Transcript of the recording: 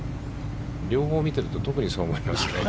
両方見ていると特にそう思いますね。